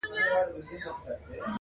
نور څه نسته هغه سپی دی او دی خر دی،